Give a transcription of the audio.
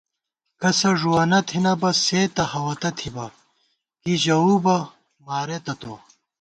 کسہ ݫُوَنہ تھنہ بہ سے تہ ہوَتہ تھِبہ کی ژَوؤ بہ مارېتہ تو